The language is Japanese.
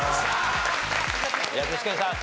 いや具志堅さん